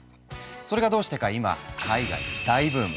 それがどうしてか今海外で大ブーム。